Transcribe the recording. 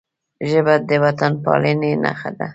ژبه د وطنپالنې نښه ده